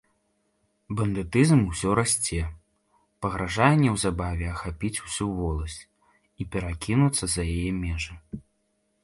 Бандытызм усё расце, пагражае неўзабаве ахапіць усю воласць і перакінуцца за яе межы.